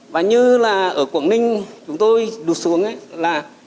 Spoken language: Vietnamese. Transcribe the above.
và như là ở quảng ninh chúng tôi đụt xuống ấy là